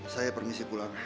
saya permisi pulang